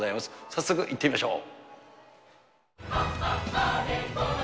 早速行ってみましょう。